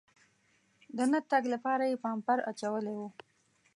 د نه تګ لپاره یې پامپر اچولی و.